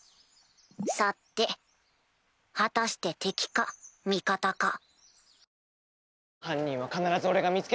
さて果たして敵か味方か。